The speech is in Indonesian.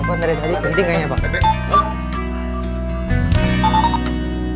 alpon dari tadi penting kayaknya pak